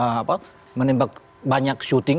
kalau mereka menembak banyak syuting